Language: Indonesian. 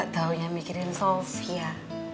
gak tau yang mikirin sofia